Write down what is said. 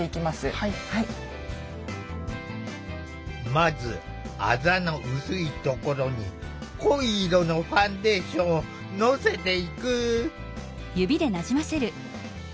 まずあざの薄いところに濃い色のファンデーションをのせていく。